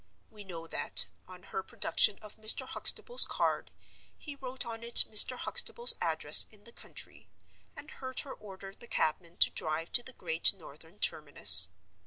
We know that, on her production of Mr. Huxtable's card, he wrote on it Mr. Huxtable's address in the country, and heard her order the cabman to drive to the Great Northern terminus.